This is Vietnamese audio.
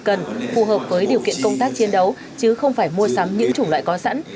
cần phù hợp với điều kiện công tác chiến đấu chứ không phải mua sắm những chủng loại có sẵn